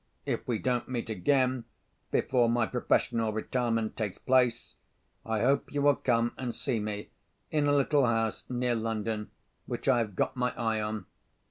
If we don't meet again before my professional retirement takes place, I hope you will come and see me in a little house near London, which I have got my eye on.